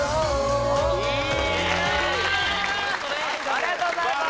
ありがとうございます！